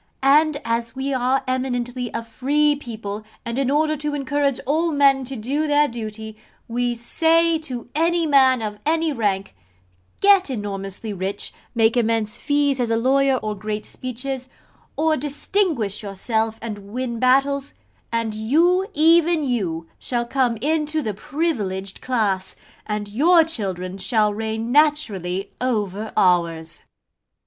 And as we are eminently a free people, and in order to encourage all men to do their duty, we say to any man of any rank get enormously rich, make immense fees as a lawyer, or great speeches, or distinguish yourself and win battles and you, even you, shall come into the privileged class, and your children shall reign naturally over ours.'